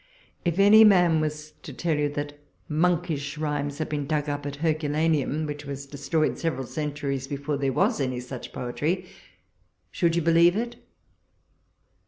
If any man was to tell you that monkish rhymes had been dug up WALPOLES LETTERS. 16;J at Heiculaneuiu, which was destroj'ed several centuries before there was any such poetry, should you believe it